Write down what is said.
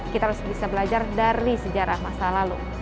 kita harus bisa belajar dari sejarah masa lalu